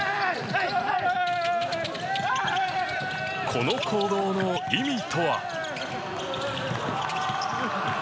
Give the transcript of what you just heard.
この行動の意味とは？